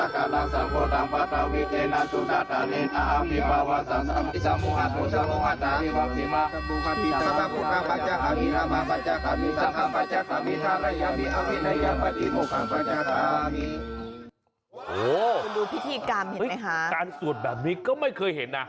คุณดูพิธีกรรมเห็นไหมคะการสวดแบบนี้ก็ไม่เคยเห็นนะ